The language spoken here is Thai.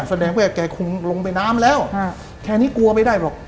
แสดงว่าแกคงลงไปน้ำแล้วแค่นี้กลัวไม่ได้หรอก